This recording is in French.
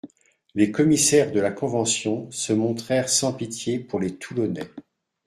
Les commissaires de la Convention se montrèrent sans pitié pour les Toulonnais.